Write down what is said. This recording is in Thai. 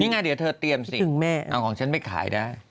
นี่ไงเดี๋ยวเธอเตรียมสิเอาของฉันไปขายได้